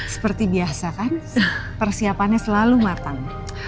seperti biasa kan persiapannya selalu matang